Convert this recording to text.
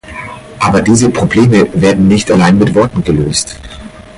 Aber diese Probleme werden nicht allein mit Worten gelöst.